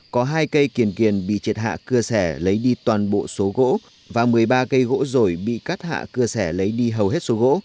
có hai cây kiềng kiềm bị triệt hạ cưa xẻ lấy đi toàn bộ số gỗ và một mươi ba cây gỗ rồi bị cắt hạ cưa xẻ lấy đi hầu hết số gỗ